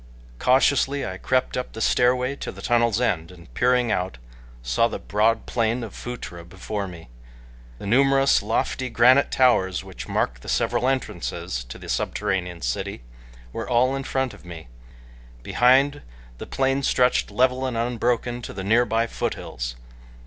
Cautiously I crept up the stairway to the tunnel's end, and peering out saw the broad plain of Phutra before me. The numerous lofty, granite towers which mark the several entrances to the subterranean city were all in front of me behind, the plain stretched level and unbroken to the nearby foothills.